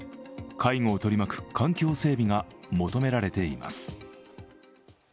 介護を取り巻く環境整備が求められています。